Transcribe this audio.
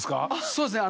そうですね